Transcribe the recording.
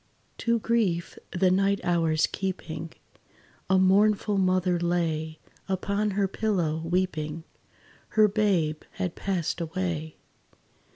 To grief the night hours keeping, A mournful mother lay Upon her pillow, weeping Her babe had passed away.